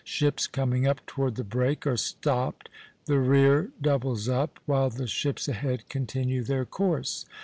Ships coming up toward the break are stopped, the rear doubles up, while the ships ahead continue their course.